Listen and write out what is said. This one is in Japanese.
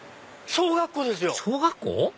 小学校？